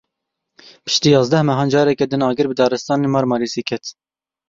Piştî yazdeh mehan careke din agir bi daristanên Marmarîsê ket.